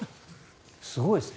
すごいですね。